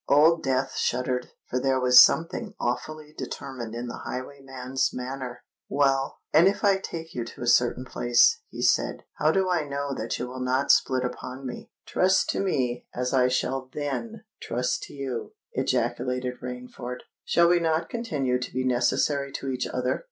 Old Death shuddered; for there was something awfully determined in the highwayman's manner. "Well—and if I take you to a certain place," he said, "how do I know that you will not split upon me?" "Trust to me as I shall then trust to you," ejaculated Rainford. "Shall we not continue to be necessary to each other?